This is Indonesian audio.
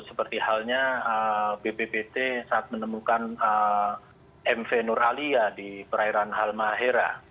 seperti halnya bppt saat menemukan mv nur alia di perairan halmahera